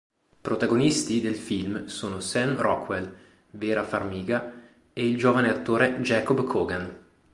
Protagonisti del film sono Sam Rockwell, Vera Farmiga e il giovane attore Jacob Kogan.